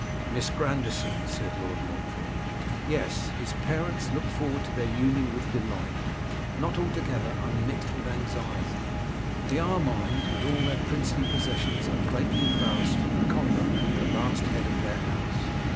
'Miss Grandison?' said Lord Montfort. 'Yes: his parents looked forward to their union with delight, not altogether unmixed with anxiety. The Armines, with all their princely possessions, are greatly embarrassed from the conduct of the last head of their house.